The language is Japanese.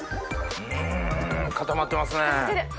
固まってますね。